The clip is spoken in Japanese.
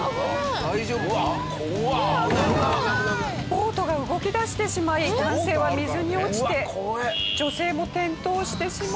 ボートが動き出してしまい男性は水に落ちて女性も転倒してしまいました。